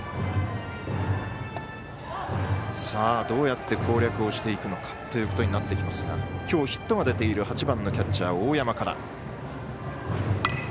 どうやって攻略をしていくのかということになってきますがきょうヒットが出ている８番のキャッチャー、大山から。